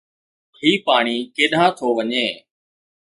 هي پاڻي ڪيڏانهن ٿو وڃي؟